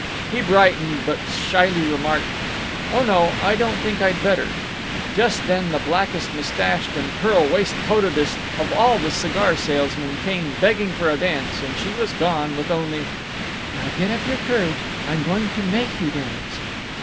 He brightened, but shyly remarked, "Oh no, I don't think I'd better." Just then the blackest mustached and pearl waistcoatedest of all the cigar salesmen came begging for a dance, and she was gone, with only: "Now get up your courage. I'm going to make you dance."